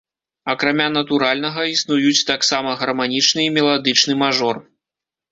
Акрамя натуральнага, існуюць таксама гарманічны і меладычны мажор.